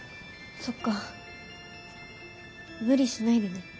そっか無理しないでね。